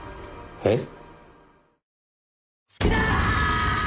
えっ？